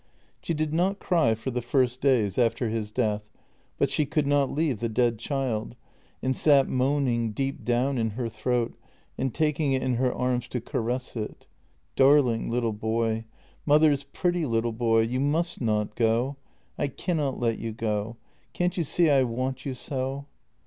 She did not cry for the first days after his death, but she could not leave the dead child, and sat moaning deep down in her throat and taking it in her arms to caress it: " Darling little boy — mother's pretty little boy, you must not go — I cannot let you go. Can't you see I want you so?